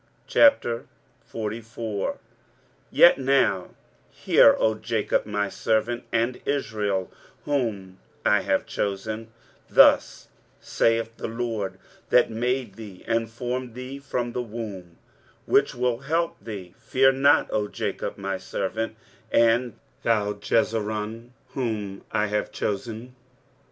23:044:001 Yet now hear, O Jacob my servant; and Israel, whom I have chosen: 23:044:002 Thus saith the LORD that made thee, and formed thee from the womb, which will help thee; Fear not, O Jacob, my servant; and thou, Jesurun, whom I have chosen.